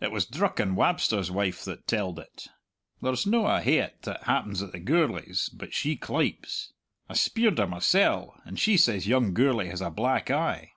"It was Drucken Wabster's wife that telled it. There's not a haet that happens at the Gourlays but she clypes. I speired her mysell, and she says young Gourlay has a black eye."